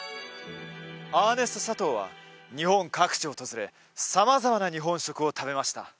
アーネスト・サトウは日本各地を訪れ様々な日本食を食べました